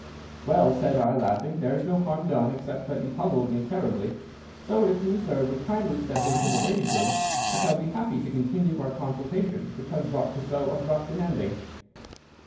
"'Well,' said I, laughing, 'there is no harm done except that you puzzled me terribly; so if you, sir, would kindly step into the waiting room I shall be happy to continue our consultation which was brought to so abrupt an ending.